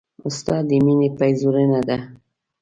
ستا د مينې پيرزوينه ده